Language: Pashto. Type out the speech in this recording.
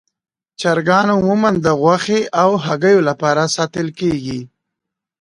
چرګان عموماً د غوښې او هګیو لپاره ساتل کېږي.